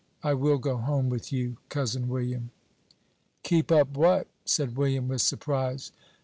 I will go home with you, Cousin William." "Keep up what?" said William, with surprise.